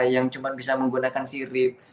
yang cuma bisa menggunakan sirip